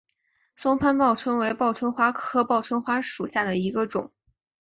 松潘报春为报春花科报春花属下的一个种。